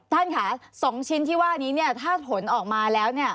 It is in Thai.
ท่านค่ะส่งชิ้นที่ว่านี้ถ้าผลออกมาแล้ว